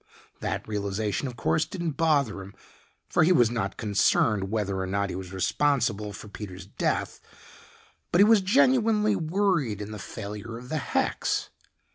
That realization, of course, didn't bother him, for he was not concerned whether or not he was responsible for Peter's death, but he was genuinely worried in the failure of the hex.